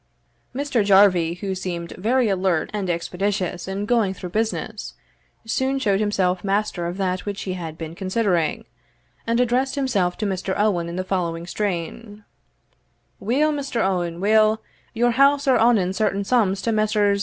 Mr. Jarvie, who seemed very alert and expeditious in going through business, soon showed himself master of that which he had been considering, and addressed himself to Mr. Owen in the following strain: "Weel, Mr. Owen, weel your house are awin' certain sums to Messrs.